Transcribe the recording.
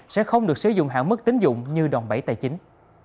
sẽ không được sử dụng hạn mức tính dụng như đòn bẫy tài chính